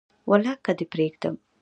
ولاکه دي پریږدم